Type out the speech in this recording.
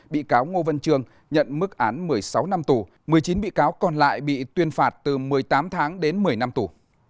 bị cáo ngô vân trương nhận mức án một mươi sáu năm tù một mươi chín bị cáo còn lại bị tuyên phạt từ một mươi tám tháng đến một mươi năm tù